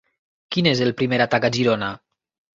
Quin és el primer atac a Girona?